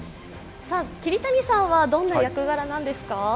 桐谷さんはどんな役柄なんですか。